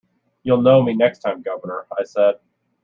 “You’ll know me next time, guv’nor,” I said.